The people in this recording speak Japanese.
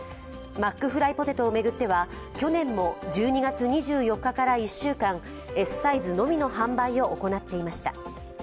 マックフライポテトを巡っては、去年も１２月２４日から１週間、Ｓサイズのみの販売を行っていました。